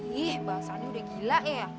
wih bahasanya udah gila ya